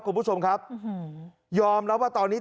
คุณผู้ชมครับยอมรับว่าตอนนี้